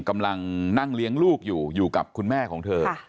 กำลังนั่งเลี้ยงลูกอยู่อยู่กับคุณแม่ของเธอ